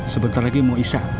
sebentar lagi mau isya